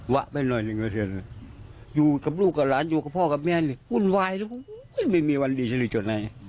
ะไปหน่อยหนึ่งกระเทือนอยู่กับลูกกับหลานอยู่กับพ่อกับแม่นี่วุ่นวายแล้วก็ไม่มีวันดีฉรี่จุดไหน